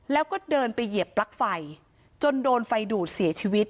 แล้วก็เดินไปเหยียบปลั๊กไฟจนโดนไฟดูดเสียชีวิต